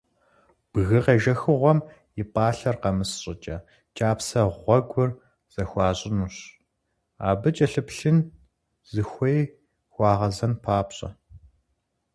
Бгы къежэхыгъуэм и пӀалъэр къэмыс щӀыкӀэ кӀапсэ гъуэгур зэхуащӏынущ, абы кӀэлъыплъын, зыхуей хуагъэзэн папщӀэ.